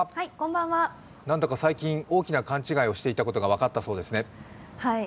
なんだか最近大きな勘違いをしていたことが分かったそうですね。